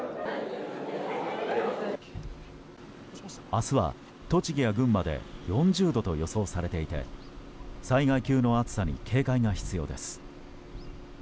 明日は栃木や群馬で４０度と予想されていて災害級の暑さに警戒が必要です。